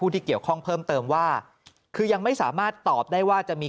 ที่เกี่ยวข้องเพิ่มเติมว่าคือยังไม่สามารถตอบได้ว่าจะมี